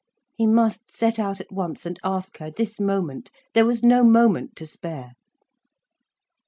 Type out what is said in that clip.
He must set out at once and ask her, this moment. There was no moment to spare.